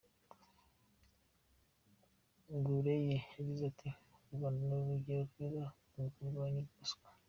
Gureye yagize ati "U Rwanda ni urugero rwiza mu kurwanya ruswa.